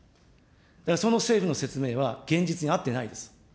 その政府の説明は現実に合ってないです。